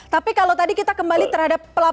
tapi kalau tadi kita kembali terhadap